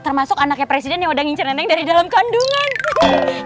termasuk anaknya presiden yang udah ngincar neneng dari dalam kandungan